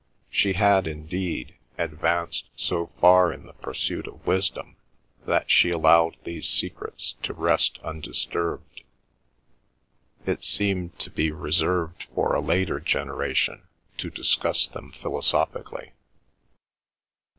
She had, indeed, advanced so far in the pursuit of wisdom that she allowed these secrets to rest undisturbed; it seemed to be reserved for a later generation to discuss them philosophically.